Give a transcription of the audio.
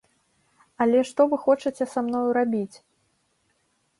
Але што вы хочаце са мною рабіць?